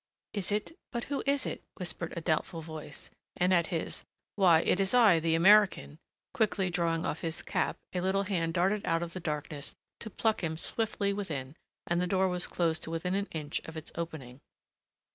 "Is it but who is it?" whispered a doubtful voice, and at his, "Why it is I the American," quickly drawing off his cap, a little hand darted out of the darkness to pluck him swiftly within and the door was closed to within an inch of its opening.